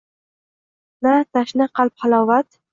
Na tashna qalb halovat.